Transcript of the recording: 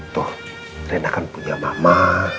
tuh rena kan punya mama